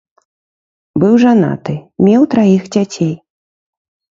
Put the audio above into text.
Быў жанаты, меў траіх дзяцей.